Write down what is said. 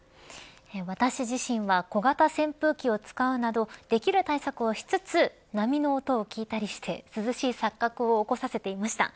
私自身は、小型扇風機を使うなどできる対策をしつつ波の音を聞いたりして涼しい錯覚を起こさせていました。